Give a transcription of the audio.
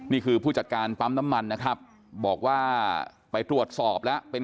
ผู้จัดการปั๊มน้ำมันนะครับบอกว่าไปตรวจสอบแล้วเป็น